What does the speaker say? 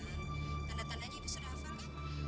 tanda tandanya ibu sudah hafal kan